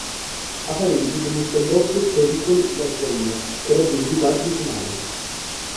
A Parigi, debutta il doppio Pericoli-Lazzarino che raggiunge i quarti di finale.